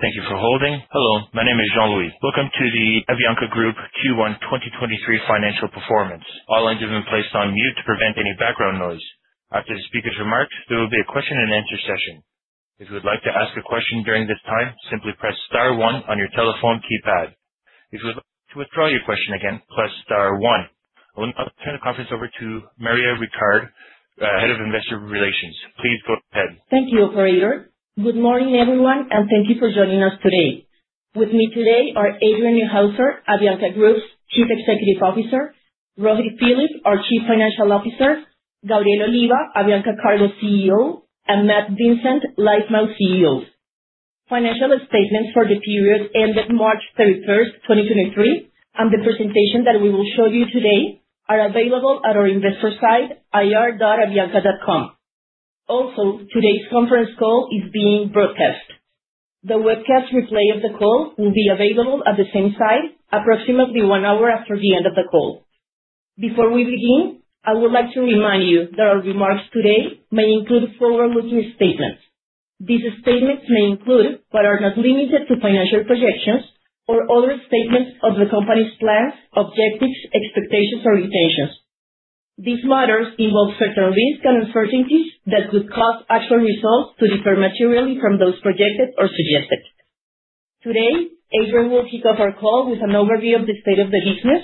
Thank you for holding. Hello, my name is JeanLouis. Welcome to the Avianca Group Q1 2023 financial performance. All lines have been placed on mute to prevent any background noise. After the speaker's remarks, there will be a question and answer session. If you would like to ask a question during this time, simply press star one on your telephone keypad. If you would like to withdraw your question again, press star one. I will now turn the conference over to Maria Ricardo, Head of Investor Relations. Please go ahead. Thank you, operator. Good morning, everyone, and thank you for joining us today. With me today are Adrian Neuhauser, Avianca Group's Chief Executive Officer, Rohit Philip, our Chief Financial Officer, Gabriel Oliva, Avianca Cargo CEO, and Matt Vincett, LifeMiles CEO. Financial statements for the period ending March 31st, 2023, and the presentation that we will show you today are available at our investor site, ir.avianca.com. Also, today's conference call is being broadcast. The webcast replay of the call will be available at the same site approximately 1 hour after the end of the call. Before we begin, I would like to remind you that our remarks today may include forward-looking statements. These statements may include, but are not limited to, financial projections or other statements of the company's plans, objectives, expectations, or intentions. These matters involve certain risks and uncertainties that could cause actual results to differ materially from those projected or suggested. Today, Adrian will kick off our call with an overview of the state of the business.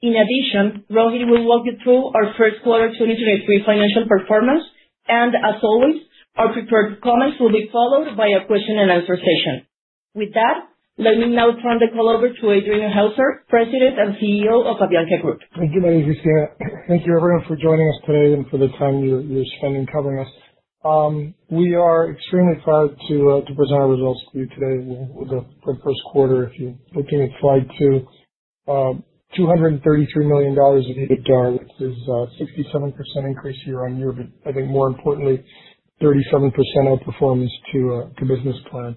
In addition, Rohit will walk you through our first quarter 2023 financial performance, and as always, our prepared comments will be followed by a question and answer session. With that, let me now turn the call over to Adrian Neuhauser, President and CEO of Avianca Group. Thank you, Maria Cristina. Thank you, everyone, for joining us today. For the time you're spending covering us. We are extremely proud to present our results to you today with the first quarter. If you're looking at slide 2, $233 million in EBITDA, which is a 67% increase year-on-year. I think more importantly, 37% outperformance to business plan.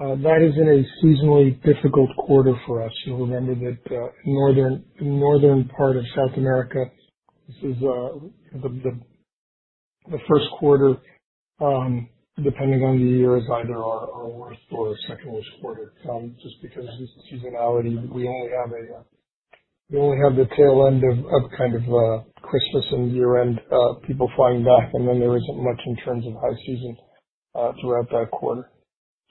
That is in a seasonally difficult quarter for us. You'll remember that northern part of South America, this is the first quarter, depending on the year, is either our worst or second worst quarter just because of the seasonality. We only have the tail end of kind of Christmas and year-end people flying back, there isn't much in terms of high season throughout that quarter.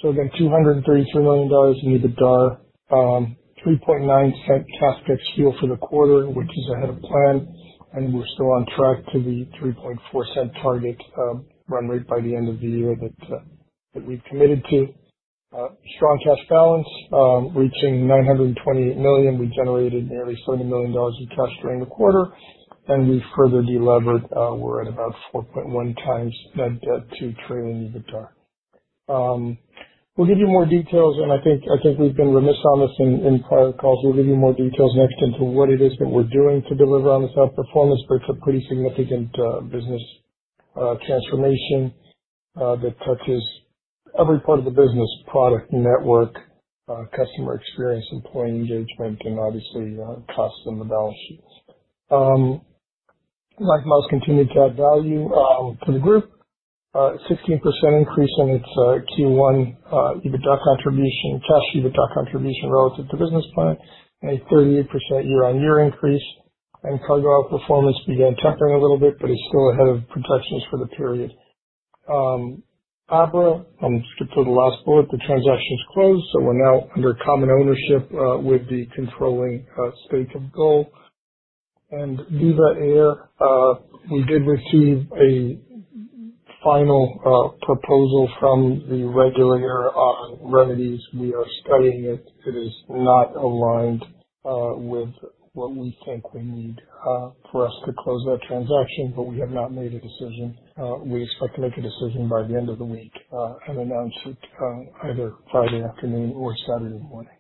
$233 million in EBITDA. $0.039 cash SG&A for the quarter, which is ahead of plan, and we're still on track to the $0.034 target run rate by the end of the year that we've committed to. Strong cash balance reaching $928 million. We generated nearly $30 million in cash during the quarter, and we further delevered, we're at about 4.1 times net debt to trailing EBITDA. We'll give you more details, and I think we've been remiss on this in prior calls. We'll give you more details next into what it is that we're doing to deliver on this outperformance, but it's a pretty significant business transformation that touches every part of the business: product, network, customer experience, employee engagement, and obviously, cost and the balance sheets. LifeMiles continued to add value to the group. 16% increase in its Q1 EBITDA contribution, cash EBITDA contribution relative to business plan, a 38% year-on-year increase. Cargo outperformance began tempering a little bit, but is still ahead of projections for the period. Abra, skip to the last bullet. The transaction's closed, so we're now under common ownership with the controlling stake of GOL. Viva Air, we did receive a final proposal from the regulator on remedies. We are studying it. It is not aligned with what we think we need for us to close that transaction, but we have not made a decision. We expect to make a decision by the end of the week and announce it either Friday afternoon or Saturday morning.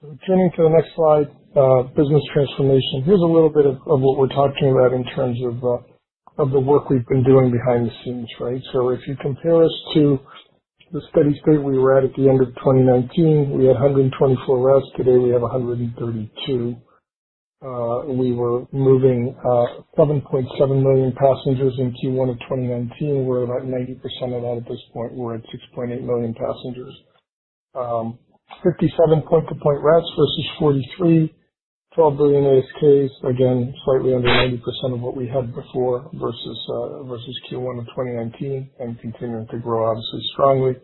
Turning to the next slide, business transformation. Here's a little bit of what we're talking about in terms of the work we've been doing behind the scenes, right? If you compare us to the steady state we were at at the end of 2019, we had 124 routes. Today, we have 132. We were moving 11.7 million passengers in Q1 of 2019. We're about 90% of that at this point. We're at 6.8 million passengers. Fifty-seven point to point routes versus 43, 12 billion ASKs, again, slightly under 90% of what we had before versus Q1 of 2019 and continuing to grow obviously strongly.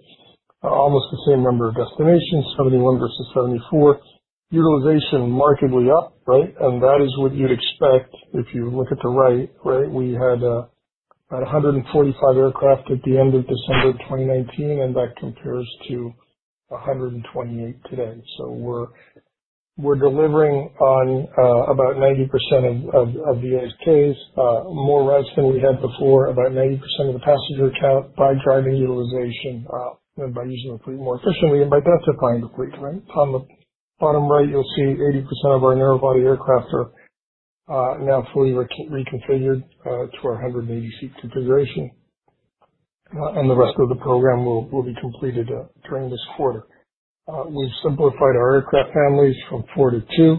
Almost the same number of destinations, 71 versus 74. Utilization markedly up, right? That is what you'd expect if you look at the right? We had 145 aircraft at the end of December of 2019, and that compares to 128 today. So we're delivering on about 90% of the ASKs. More routes than we had before. About 90% of the passenger count by driving utilization and by using the fleet more efficiently and by densifying the fleet, right? On the bottom right, you'll see 80% of our narrow body aircraft are now fully reconfigured to our 180 seat configuration. The rest of the program will be completed during this quarter. We've simplified our aircraft families from 4 to 2.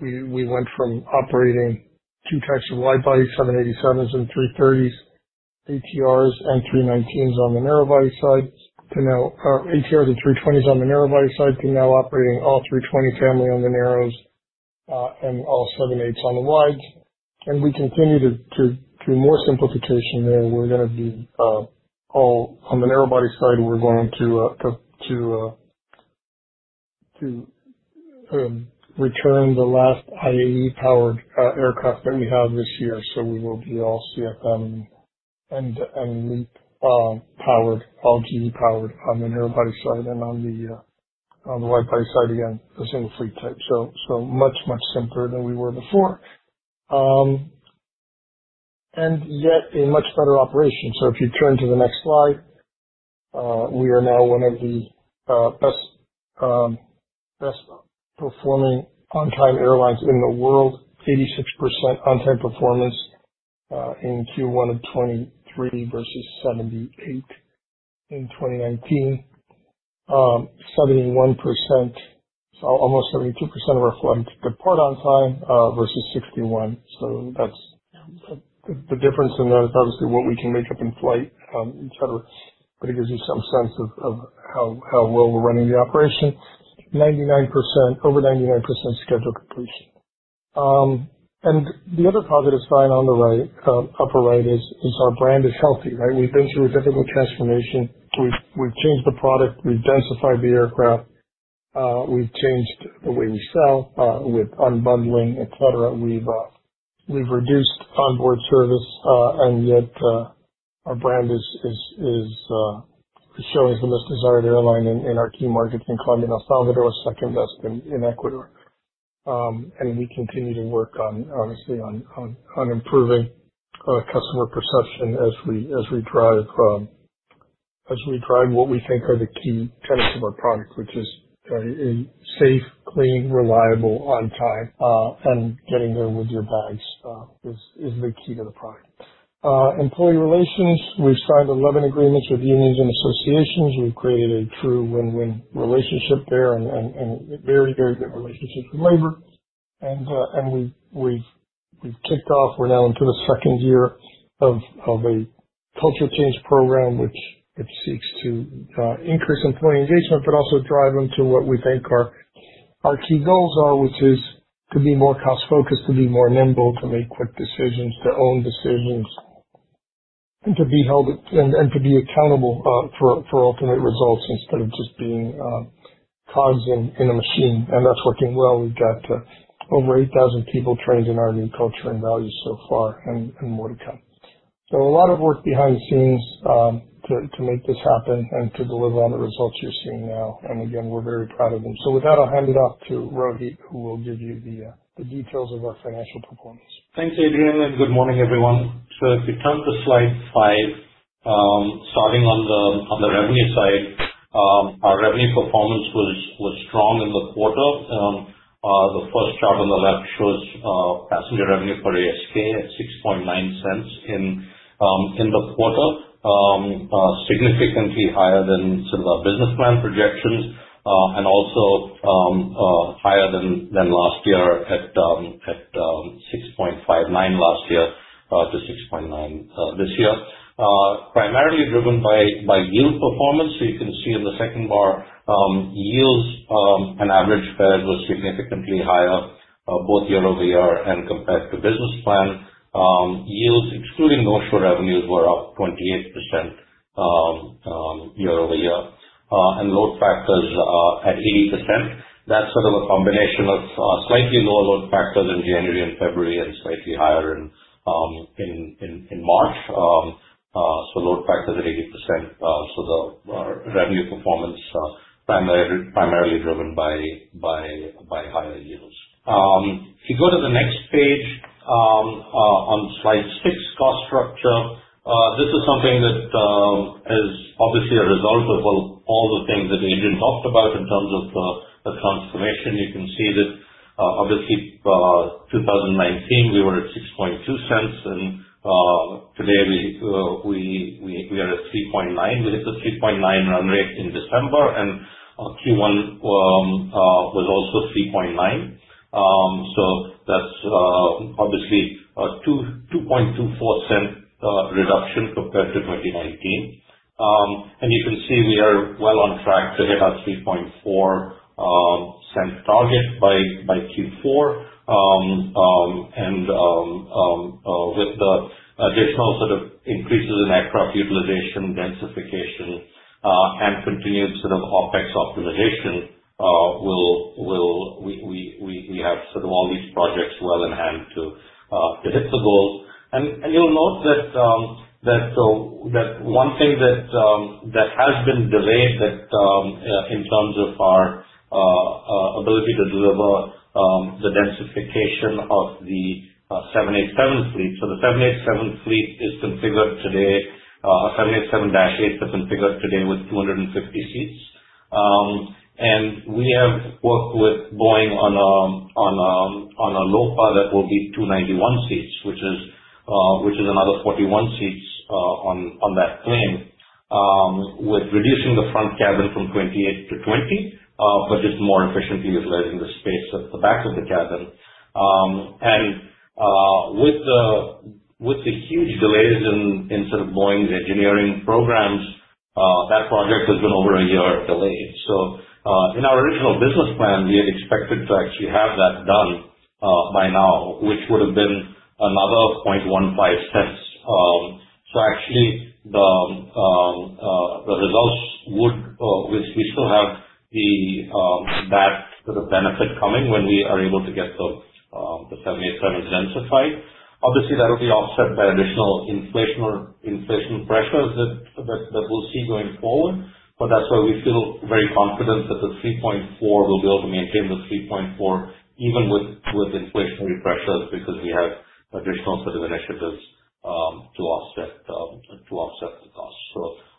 We went from operating two types of wide-body, 787s and A330s, ATRs and A319s on the narrow body side to now operating all A320 family on the narrows and all 787s on the wides. We continue to do more simplification there. We're gonna be all on the narrow body side, we're going to return the last IAE powered aircraft that we have this year. We will be all CFM and LEAP powered on the narrowbody side and on the widebody side, again, the same fleet type. Much simpler than we were before. Yet a much better operation. If you turn to the next slide, we are now one of the best performing on-time airlines in the world. 86% on-time performance in Q1 2023 versus 78% in 2019. Almost 72% of our flights depart on-time versus 61%. The difference in that is obviously what we can make up in flight, et cetera. It gives you some sense of how well we're running the operation. Over 99% schedule completion. The other positive sign on the right, upper right is our brand is healthy, right? We've been through a difficult transformation. We've changed the product. We've densified the aircraft. We've changed the way we sell with unbundling, et cetera. We've reduced onboard service, and yet our brand is showing as the most desired airline in our key markets in Colombia and El Salvador, second best in Ecuador. We continue to work on, obviously, on improving customer perception as we drive what we think are the key tenets of our product, which is a safe, clean, reliable, on time, and getting there with your bags, is the key to the product. Employee relations, we've signed 11 agreements with unions and associations. We've created a true win-win relationship there and a very good relationship with labor. We've kicked off, we're now into the second year of a culture change program, which seeks to increase employee engagement, but also drive them to what we think our key goals are, which is to be more cost-focused, to be more nimble, to make quick decisions, to own decisions, and to be held. To be accountable for ultimate results instead of just being cogs in a machine. That's working well. We've got over 8,000 people trained in our new culture and values so far and more to come. A lot of work behind the scenes, to make this happen and to deliver on the results you're seeing now. Again, we're very proud of them. With that, I'll hand it off to Rohit, who will give you the details of our financial performance. Thanks, Adrian, good morning, everyone. If you turn to slide 5, starting on the revenue side, our revenue performance was strong in the quarter. The first chart on the left shows passenger revenue per ASK at $0.069 in the quarter, significantly higher than some of our business plan projections and also higher than last year at $0.0659 last year to $0.069 this year. Primarily driven by yield performance. You can see in the second bar, yields and average fares was significantly higher both year-over-year and compared to business plan. Yields excluding ancillary revenues were up 28% year-over-year and load factors at 80%. That's sort of a combination of slightly lower load factors in January and February and slightly higher in March. Load factors at 80%, the revenue performance primarily driven by higher yields. If you go to the next page, on slide 6, cost structure. This is something that is obviously a result of all the things that Adrian talked about in terms of the transformation. You can see that obviously 2019, we were at $0.062 and today we are at $0.039. We hit the $0.039 run rate in December and Q1 was also $0.039. That's obviously a $0.0224 reduction compared to 2019. You can see we are well on track to hit our $0.034 target by Q4. With the additional sort of increases in aircraft utilization, densification, and continued sort of OpEx optimization, we'll have sort of all these projects well in hand to hit the goals. You'll note that one thing that has been delayed that in terms of our ability to deliver the densification of the 787 fleet. The 787 fleet is configured today, 787-8s are configured today with 250 seats. We have worked with Boeing on a LOPA that will be 291 seats, which is another 41 seats on that plane. With reducing the front cabin from 28 to 20, but just more efficiently utilizing the space at the back of the cabin. With the huge delays in Boeing's engineering programs, that project has been over a year delayed. In our original business plan, we had expected to have that done by now, which would have been another $0.0015. The results would, which we still have the that benefit coming when we are able to get the 787s densified. Obviously that'll be offset by additional inflation or inflation pressures that we'll see going forward. That's why we feel very confident that the 3.4, we'll be able to maintain the 3.4 even with inflationary pressures because we have additional set of initiatives to offset the costs.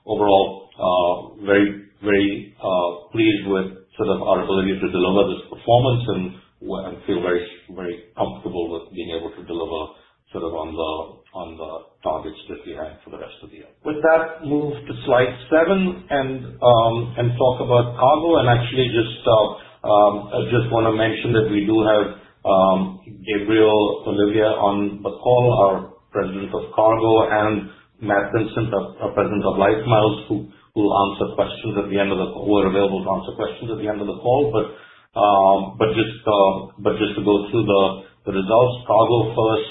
Overall, very pleased with sort of our ability to deliver this performance and feel very comfortable with being able to deliver sort of on the targets that we had for the rest of the year. With that, move to slide 7 and talk about cargo. Actually just, I just wanna mention that we do have Gabriel Oliva on the call, our President of Cargo, and Matt Vincett, our President of LifeMiles, who are available to answer questions at the end of the call. Just to go through the results. Cargo first,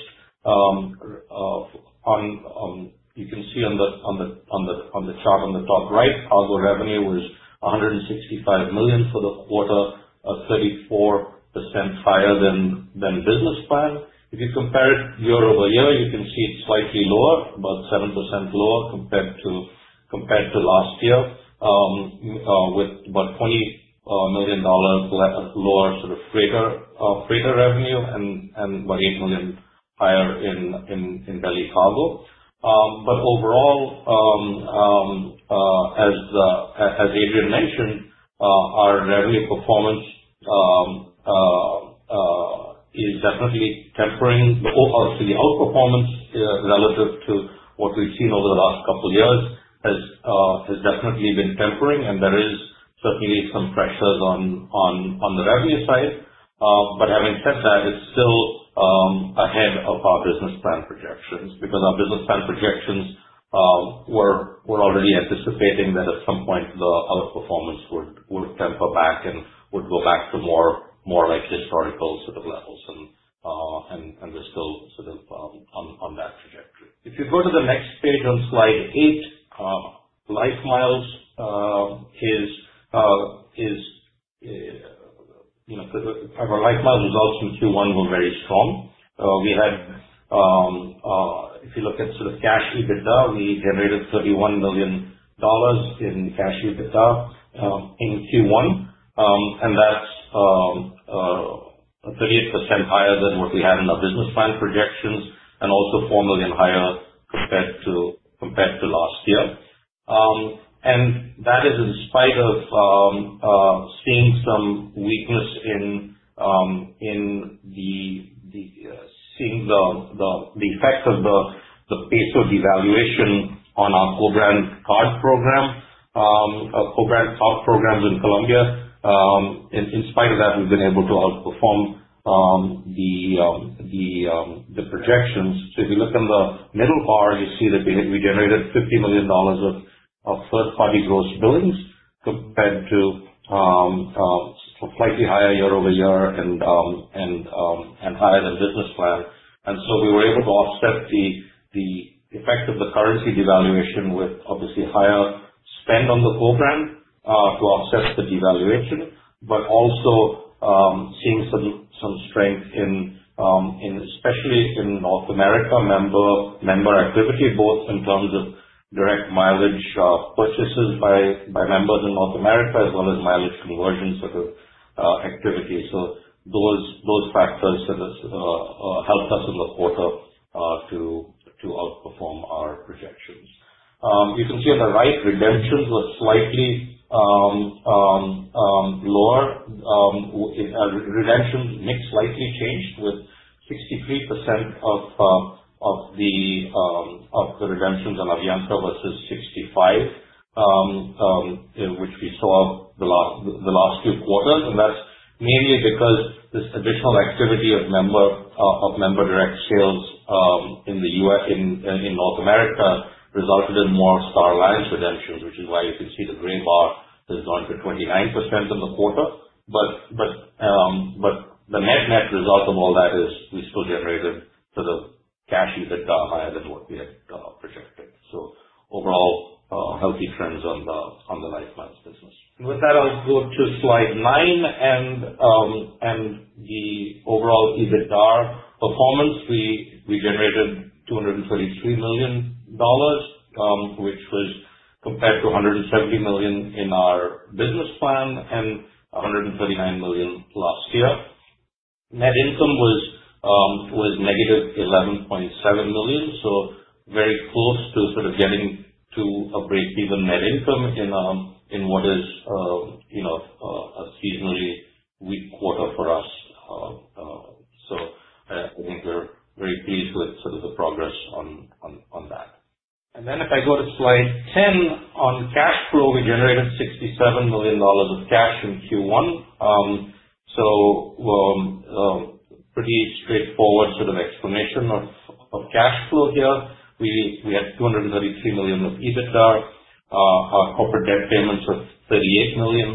you can see on the chart on the top right, cargo revenue was $165 million for the quarter, 34% higher than business plan. If you compare it year-over-year, you can see it's slightly lower, about 7% lower compared to last year, with about $20 million less, lower sort of freighter revenue and about $8 million higher in belly cargo. Overall, as Adrian mentioned, our revenue performance is definitely tempering. Obviously, the outperformance relative to what we've seen over the last couple years has definitely been tempering and there is certainly some pressures on the revenue side. But having said that, it's still ahead of our business plan projections because our business plan projections were already anticipating that at some point the outperformance would temper back and would go back to more like historical sort of levels, and they're still sort of on that trajectory. If you go to the next page on slide 8, LifeMiles is, you know, sort of our LifeMiles results in Q1 were very strong. We had, if you look at sort of cash EBITDA, we generated $31 million in cash EBITDA in Q1. That's 38% higher than what we had in our business plan projections and also $4 million higher compared to last year. That is in spite of seeing some weakness in seeing the effects of the pace of devaluation on our co-brand card program, co-brand card programs in Colombia. In spite of that we've been able to outperform the projections. If you look on the middle bar, you see that we generated $50 million of first party gross billings compared to slightly higher year-over-year and higher than business plan. We were able to offset the effect of the currency devaluation with obviously higher spend on the co-brand to offset the devaluation, but also seeing some strength in especially in North America member activity, both in terms of direct mileage purchases by members in North America as well as mileage conversion sort of activity. Those factors sort of helped us in the quarter to outperform our projections. You can see on the right, redemptions were slightly lower. Redemption mix slightly changed with 63% of the redemptions on Avianca versus 65, which we saw the last few quarters. That's mainly because this additional activity of member direct sales in the U.S., in North America resulted in more Star Alliance redemptions, which is why you can see the green bar that is only for 29% in the quarter. The net-net result of all that is we still generated sort of cash EBITDA higher than what we had projected. Overall, healthy trends on the LifeMiles business. With that, I'll go to slide 9 and the overall EBITDA performance. We generated $233 million, which was compared to $170 million in our business plan and $139 million last year. Net income was negative $11.7 million, so very close to sort of getting to a breakeven net income in what is, you know, a seasonally weak quarter for us. I think we're very pleased with sort of the progress on that. If I go to slide 10, on cash flow, we generated $67 million of cash in Q1. Pretty straightforward sort of explanation of cash flow here. We had $233 million of EBITDA. Our corporate debt payments of $38 million.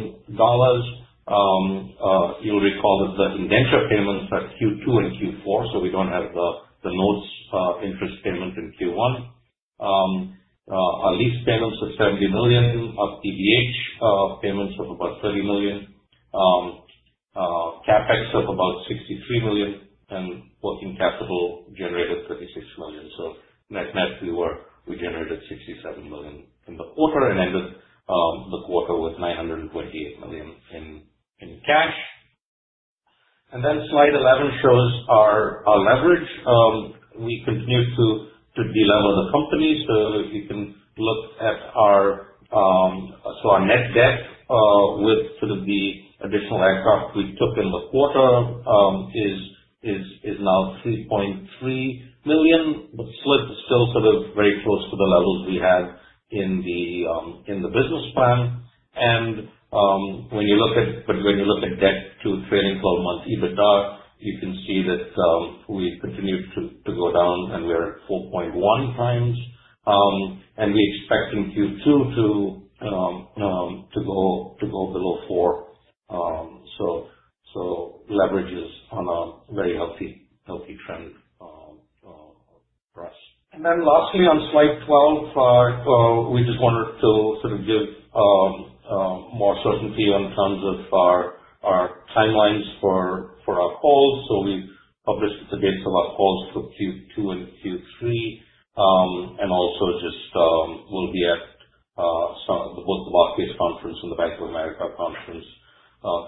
You'll recall that the indenture payments are Q2 and Q4, so we don't have the notes interest payment in Q1. Our lease payments of $70 million, our PDP payments of about $30 million. CapEx of about $63 million, and working capital generated $36 million. Net, net we generated $67 million in the quarter and ended the quarter with $928 million in cash. Slide 11 shows our leverage. We continue to delever the company. If you can look at our net debt, with sort of the additional aircraft we took in the quarter, is now $3.3 million. The slip is still sort of very close to the levels we had in the business plan. When you look at debt to trailing twelve-month EBITDA, you can see that we continue to go down and we are at 4.1x. We expect in Q2 to go below 4. Leverage is on a very healthy trend for us. Lastly, on slide 12, we just wanted to sort of give more certainty in terms of our timelines for our calls. We've published the dates of our calls for Q2 and Q3. Also just, we'll be at both the Barclays conference and the Bank of America conference,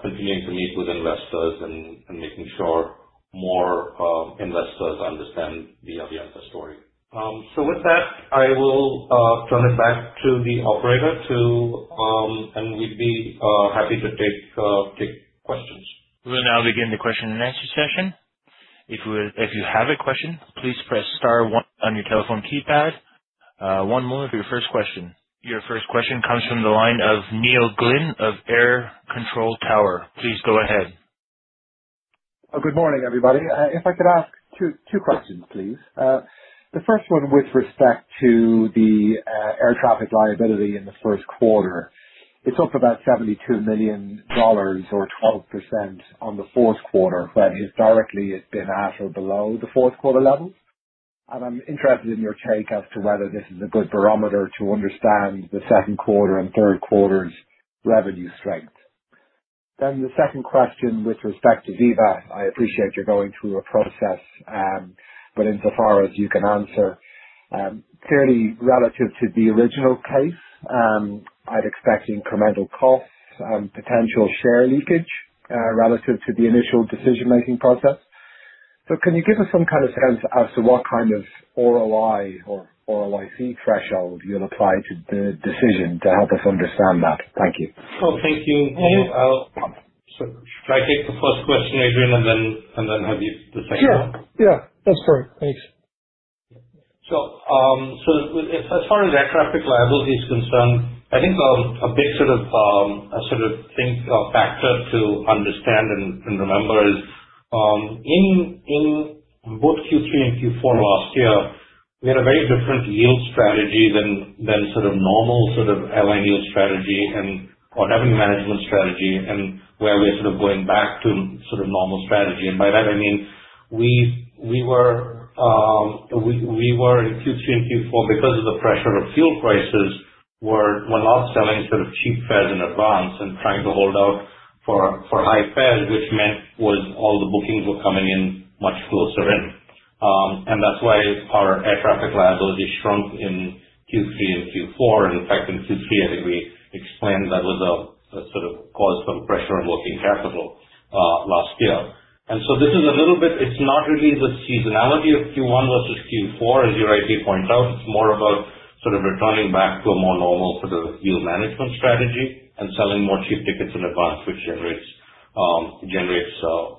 continuing to meet with investors and making sure more investors understand the Avianca story. With that, I will turn it back to the operator to. We'd be happy to take questions. We'll now begin the question and answer session. If you have a question, please press star one on your telephone keypad. One moment for your first question. Your first question comes from the line of Neil Glynn of AIR Control Tower. Please go ahead. Good morning, everybody. If I could ask two questions, please. The first one with respect to the air traffic liability in the first quarter. It's up about $72 million or 12% on the fourth quarter, but historically it's been at or below the fourth quarter level. I'm interested in your take as to whether this is a good barometer to understand the second quarter and third quarter's revenue strength. The second question with respect to Viva. I appreciate you're going through a process, but insofar as you can answer, clearly relative to the original case, I'd expect incremental costs and potential share leakage, relative to the initial decision-making process. Can you give us some kind of sense as to what kind of ROI or ROIC threshold you'll apply to the decision to help us understand that? Thank you. Oh, thank you, Neil. Should I take the first question, Adrian, and then have you the second one? Sure. Yeah, that's great. Thanks. As far as air traffic liability is concerned, I think a big sort of thing or factor to understand and remember is, in both Q3 and Q4 last year, we had a very different yield strategy than normal sort of ally yield strategy or revenue management strategy and where we're going back to normal strategy. By that, I mean, we were in Q3 and Q4 because of the pressure of fuel prices, were not selling sort of cheap fares in advance and trying to hold out for high fares, which meant was all the bookings were coming in much closer in. That's why our air traffic liability shrunk in Q3 and Q4. In fact, in Q3, I think we explained that was a sort of cause for pressure on working capital last year. This is a little bit. It's not really the seasonality of Q1 versus Q4, as you rightly point out. It's more about sort of returning back to a more normal sort of yield management strategy and selling more cheap tickets in advance, which generates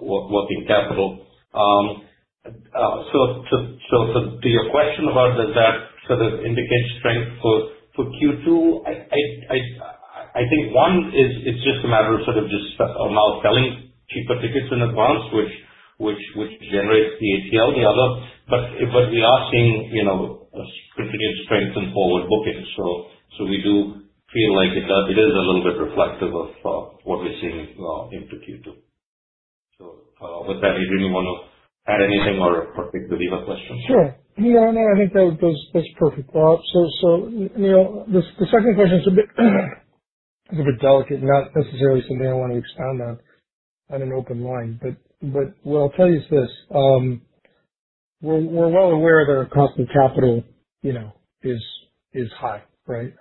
working capital. So to your question about does that sort of indicate strength for Q2, I think one is it's just a matter of sort of just now selling cheaper tickets in advance which generates the ATL. But we are seeing, you know, continued strength in forward bookings. We do feel like it is a little bit reflective of what we're seeing into Q2. With that, Adrian, you wanna add anything or take the Viva question? Sure. Yeah, no, I think that those, that's perfect, Bob. you know, the second question is a bit delicate, not necessarily something I wanna expand on on an open line. what I'll tell you is this, we're well aware that our cost of capital, you know, is high, right?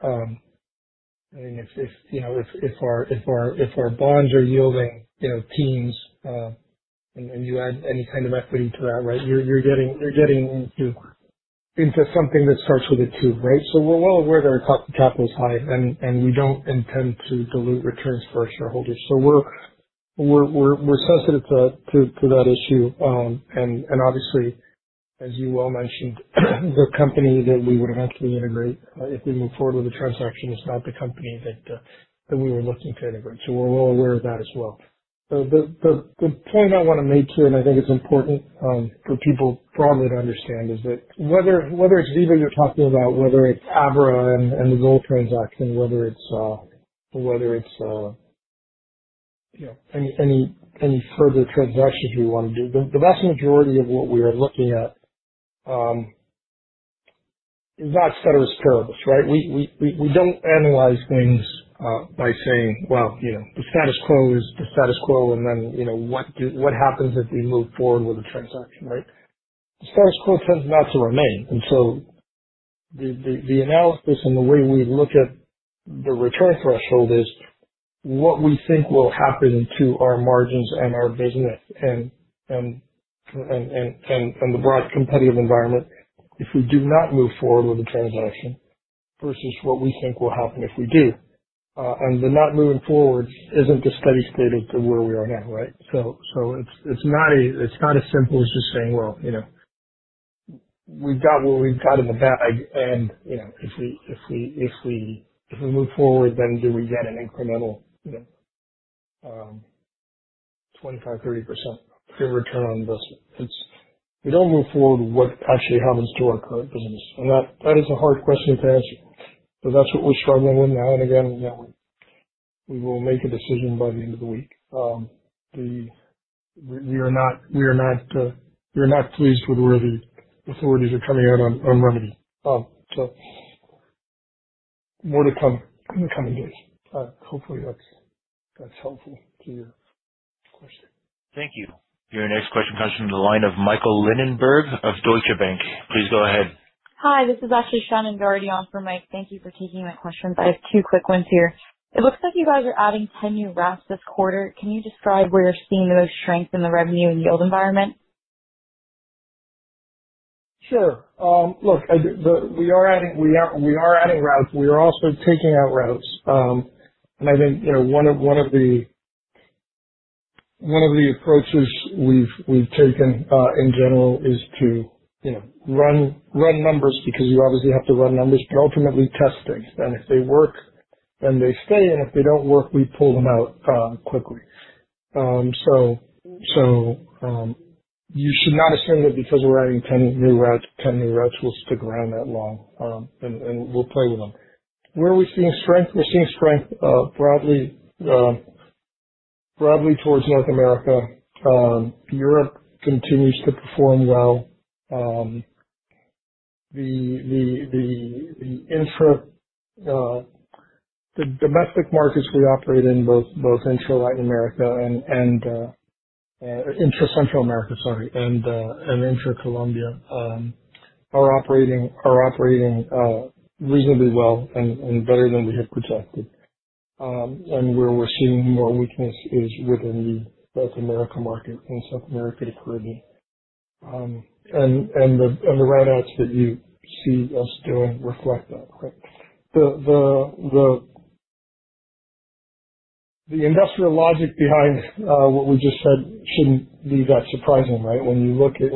I mean, if, you know, if our bonds are yielding, you know, teens, and you add any kind of equity to that, right, you're getting into something that starts with a two, right? We're well aware that our capital is high, and we don't intend to dilute returns for our shareholders. We're sensitive to that issue. Obviously, as you well mentioned, the company that we would have to integrate, if we move forward with the transaction is not the company that we were looking to integrate. We're well aware of that as well. The point I wanna make here, and I think it's important for people broadly to understand, is that whether it's Viva you're talking about, whether it's Abra and the GOL transaction, whether it's, whether it's, you know, any further transactions we wanna do, the vast majority of what we are looking at, is not status quo, right? We don't analyze things by saying, "Well, you know, the status quo is the status quo, and then, you know, what happens if we move forward with the transaction," right? The status quo tends not to remain. The analysis and the way we look at the return threshold is what we think will happen to our margins and our business and the broad competitive environment if we do not move forward with the transaction versus what we think will happen if we do. The not moving forward isn't a steady state of to where we are now, right? It's, it's not a, it's not as simple as just saying, "Well, you know, we've got what we've got in the bag and, you know, if we move forward, then do we get an incremental, you know, 25%, 30% good return on investment?" It's if we don't move forward, what actually happens to our current business? That is a hard question to answer. That's what we're struggling with now. Again, you know, we will make a decision by the end of the week. We are not pleased with where the authorities are coming out on remedy. More to come in the coming days. Hopefully that's helpful to your question. Thank you. Your next question comes from the line of Michael Linenberg of Deutsche Bank. Please go ahead. Hi, this is actually Shannon Garguilo for Mike. Thank you for taking my questions. I have two quick ones here. It looks like you guys are adding 10 new routes this quarter. Can you describe where you're seeing those strengths in the revenue and yield environment? Sure. Look, we are adding, we are adding routes. We are also taking out routes. I think, you know, one of the approaches we've taken in general is to, you know, run numbers because you obviously have to run numbers, but ultimately test things. If they work, then they stay. If they don't work, we pull them out quickly. So, you should not assume that because we're adding 10 new routes, 10 new routes will stick around that long, and we'll play with them. Where are we seeing strength? We're seeing strength broadly towards North America. Europe continues to perform well. The intra domestic markets we operate in, both Intra-Latin America and Intra-Central America, sorry, and Intra-Colombia, are operating reasonably well and better than we had projected. Where we're seeing more weakness is within the North America market and South America, the Caribbean. The route outs that you see us doing reflect that, correct. The industrial logic behind what we just said shouldn't be that surprising, right? When you look at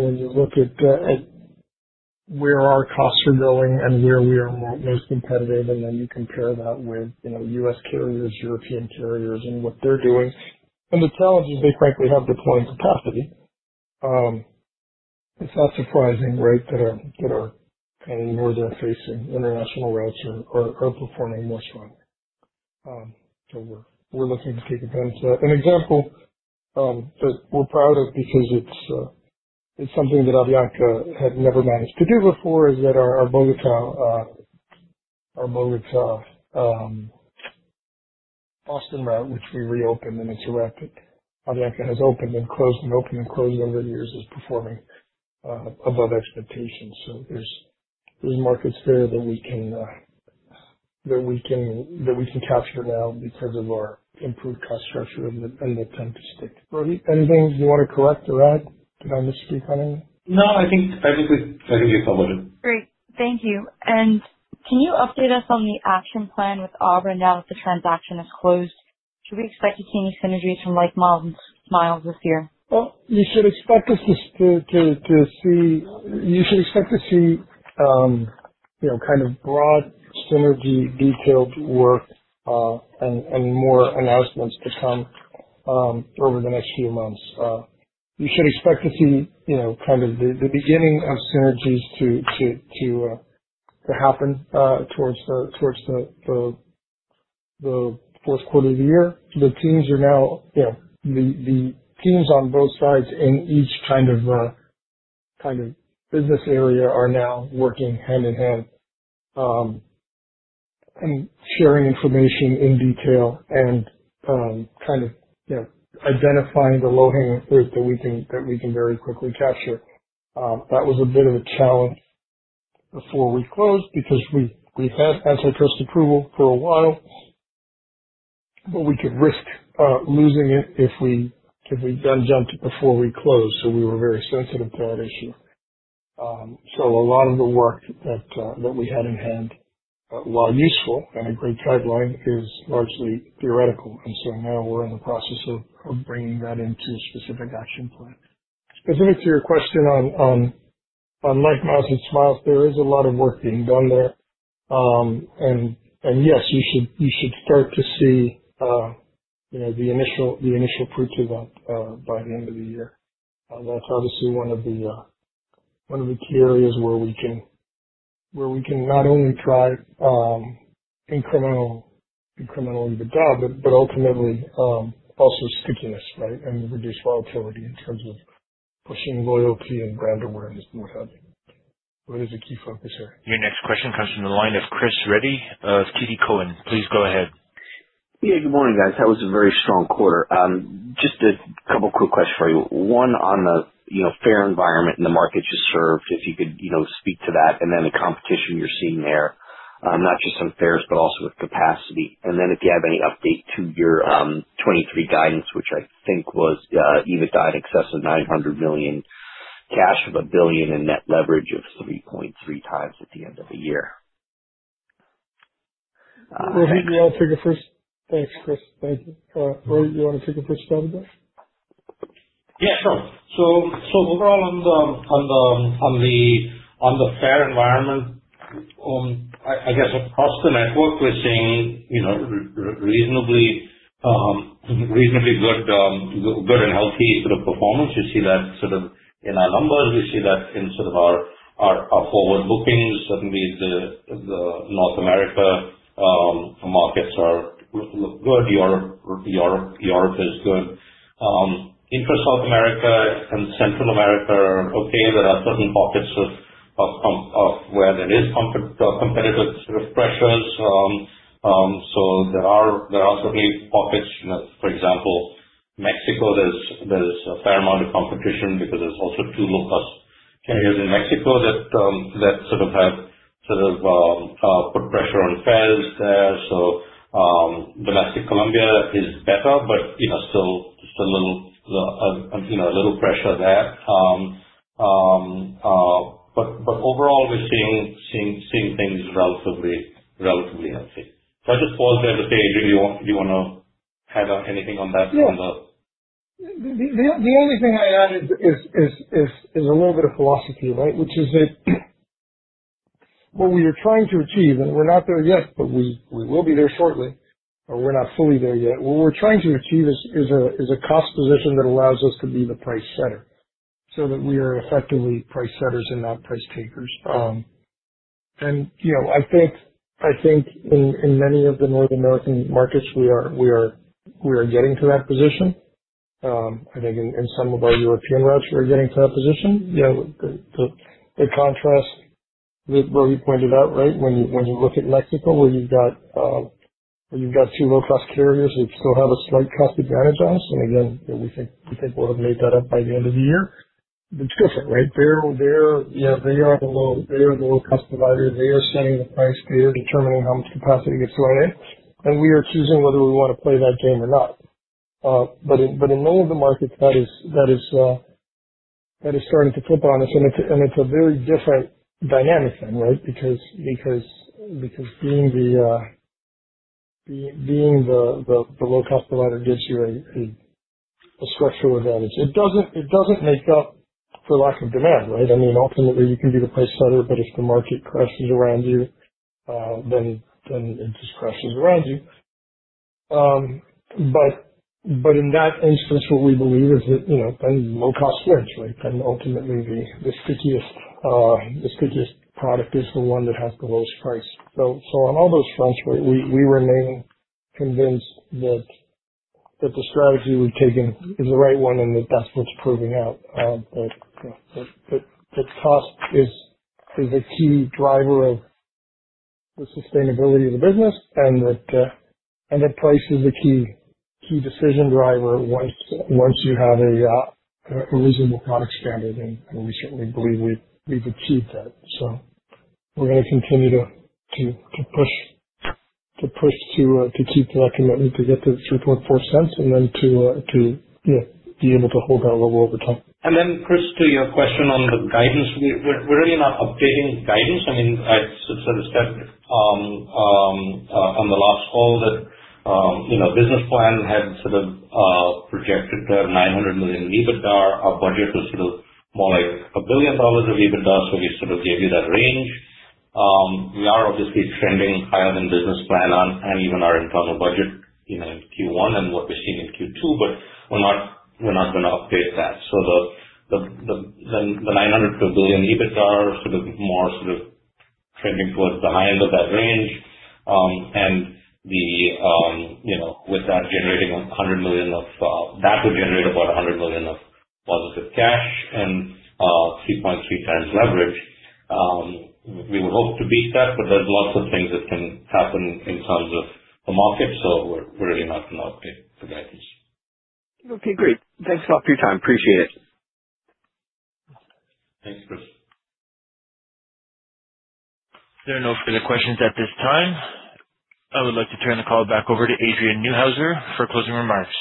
where our costs are going and where we are most competitive, you compare that with, you know, U.S. carriers, European carriers and what they're doing, and the challenges they frankly have deploying capacity, it's not surprising, right, that our kind of more debt-facing international routes are performing less well. We're looking to take advantage of that. An example that we're proud of because it's something that Avianca had never managed to do before, is that our Bogota Boston route, which we reopened and it's erupted. Avianca has opened and closed over the years, is performing above expectations. There's markets there that we can capture now because of our improved cost structure and the tendency to grow. Anything you wanna correct or add? Did I miss anything? No, I think you covered it. Great. Thank you. Can you update us on the action plan with ABRA now that the transaction is closed? Should we expect to see any synergies from LifeMiles this year? You should expect to see, you know, kind of broad synergy detailed work, and more announcements to come over the next few months. You should expect to see, you know, kind of the beginning of synergies to happen towards the fourth quarter of the year. The teams are now, you know, the teams on both sides in each kind of business area are now working hand-in-hand, and sharing information in detail and, kind of, you know, identifying the low-hanging fruit that we can very quickly capture. That was a bit of a challenge before we closed because we've had antitrust approval for a while. We could risk losing it if we then jumped before we closed. We were very sensitive to that issue. A lot of the work that we had in hand, while useful and a great guideline, is largely theoretical. Now we're in the process of bringing that into specific action plan. Specific to your question on LifeMiles and Smiles, there is a lot of work being done there. And yes, you should start to see, you know, the initial fruits of that by the end of the year. That's obviously one of the, one of the key areas where we can not only drive, incremental EBITDA, but ultimately, also stickiness, right? Reduce volatility in terms of pushing loyalty and brand awareness more heavily. That is a key focus area. Your next question comes from the line of Chris Reddy of KeyBanc. Please go ahead. Good morning, guys. That was a very strong quarter. Just a couple quick questions for you. One on the, you know, fare environment and the markets you served, if you could, you know, speak to that, then the competition you're seeing there, not just on fares, but also with capacity. Then if you have any update to your 2023 guidance, which I think was EBITDA in excess of $900 million, cash of $1 billion, and net leverage of 3.3 times at the end of the year. Rohit, do you want to take the first? Thanks, Chris. Thank you. Rohit, you wanna take the first stab at that? Yeah, sure. Overall on the fare environment, I guess across the network, we're seeing, you know, reasonably good and healthy sort of performance. We see that sort of in our numbers. We see that in sort of our forward bookings. Certainly the North America markets look good. Europe is good. Intra-South America and Central America are okay. There are certain pockets of where there is competitive sort of pressures. There are certainly pockets. You know, for example, Mexico, there's a fair amount of competition because there's also two low-cost carriers in Mexico that sort of have put pressure on fares there. Domestic Colombia is better, but, you know, still little, you know, little pressure there. Overall, we're seeing things relatively healthy. I'll just pause there to see if you wanna add anything on that, Adrian, or? Yeah. The only thing I added is a little bit of philosophy, right? Which is that what we are trying to achieve, and we're not there yet, but we will be there shortly, but we're not fully there yet. What we're trying to achieve is a cost position that allows us to be the price setter, so that we are effectively price setters and not price takers. You know, I think, I think in many of the North American markets, we are getting to that position. I think in some of our European routes, we are getting to that position. You know, the in contrast, Rohit pointed out, right? When you look at Mexico, where you've got two low-cost carriers who still have a slight cost advantage on us. Again, you know, we think we'll have made that up by the end of the year. It's different, right? They're, you know, they are the low-cost provider. They are setting the price. They are determining how much capacity gets thrown in, and we are choosing whether we wanna play that game or not. In many of the markets, that is starting to flip on us, and it's a very different dynamic then, right? Because being the low-cost provider gives you a structural advantage. It doesn't, it doesn't make up for lack of demand, right? I mean, ultimately you can be the price setter, but if the market crashes around you, then it just crashes around you. In that instance, what we believe is that, you know, low cost wins, right? Ultimately the stickiest product is the one that has the lowest price. On all those fronts, right, we remain convinced that the strategy we've taken is the right one and that that's what's proving out. That, you know, that cost is a key driver of the sustainability of the business and that price is a key decision driver once you have a reasonable product standard. We certainly believe we've achieved that. We're gonna continue to push to keep knocking at to get to $0.034 and then to, you know, be able to hold that level over time. Chris, to your question on the guidance, we're really not updating guidance. I mean, I sort of stepped on the last call that, you know, business plan had sort of projected to have $900 million EBITDA. Our budget was sort of more like $1 billion of EBITDA. We sort of gave you that range. We are obviously trending higher than business plan on and even our internal budget, you know, in Q1 and what we're seeing in Q2, but we're not gonna update that. The $900 million-$1 billion EBITDA sort of more sort of trending towards the high end of that range. The, you know, with that would generate about $100 million of positive cash and 3.3leverage. We would hope to beat that, but there's lots of things that can happen in terms of the market. We're, we're really not gonna update the guidance. Okay, great. Thanks a lot for your time. Appreciate it. Thanks, Chris. There are no further questions at this time. I would like to turn the call back over to Adrian Neuhauser for closing remarks.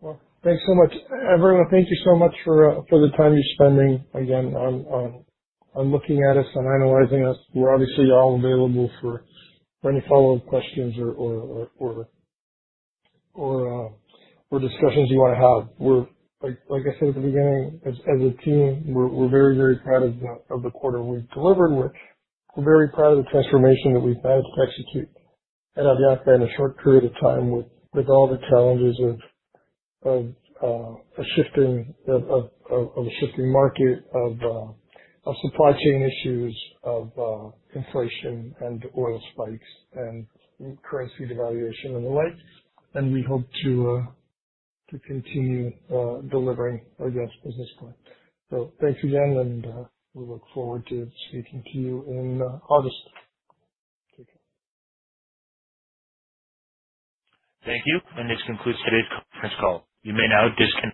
Well, thanks so much. Everyone, thank you so much for the time you're spending again on looking at us and analyzing us. We're obviously all available for any follow-up questions or discussions you wanna have. Like I said at the beginning, as a team, we're very, very proud of the quarter we've delivered. We're very proud of the transformation that we've managed to execute at Avianca in a short period of time with all the challenges of a shifting market, of supply chain issues, of inflation and oil spikes and currency devaluation and the like. We hope to continue delivering against business plan. Thanks again, and we look forward to speaking to you in August. Take care. Thank you. This concludes today's conference call. You may now